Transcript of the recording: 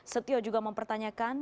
setio juga mempertanyakan